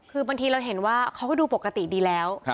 คือบางทีเราเห็นว่าเขาก็ดูปกติดีแล้ว